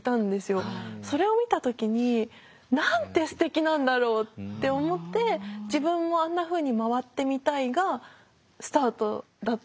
それを見た時になんてすてきなんだろうって思って自分もあんなふうに回ってみたいがスタートだったんです。